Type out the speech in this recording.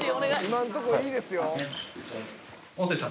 ［今んとこいいですよ］